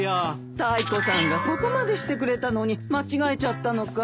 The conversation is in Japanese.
タイコさんがそこまでしてくれたのに間違えちゃったのかい。